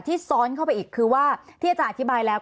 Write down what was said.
ซ้อนเข้าไปอีกคือว่าที่อาจารย์อธิบายแล้ว